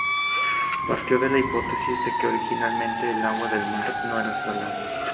Partió de la hipótesis de que originalmente el agua del mar no era salada.